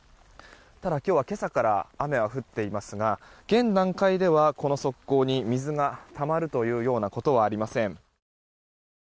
ただ、今日は今朝から雨は降っていますが現段階では、この側溝に水がたまるというようなことはありません。